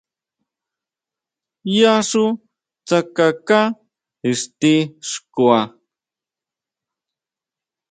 Yá xú tsakaká ixti xkua.